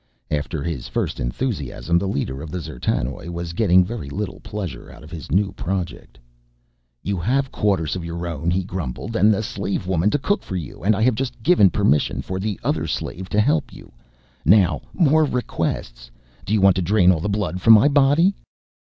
After his first enthusiasm the leader of the D'zertanoj was getting very little pleasure out of his new project. "You have quarters of your own," he grumbled, "and the slave woman to cook for you, and I have just given permission for the other slave to help you. Now more requests do you want to drain all the blood from my body?"